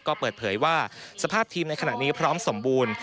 ก็เปิดเผยว่าสภาพทีมในขณะนี้พร้อมสมบูรณ์